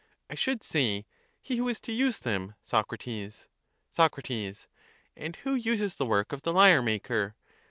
I should say, he who is to use them, Socrates. Soc. And who uses the work of the lyre maker?